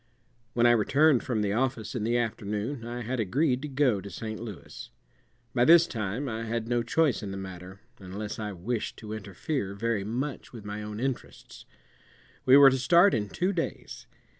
When I returned from the office in the afternoon I had agreed to go to St. Louis. By this time I had no choice in the matter unless I wished to interfere very much with my own interests. We were to start in two days.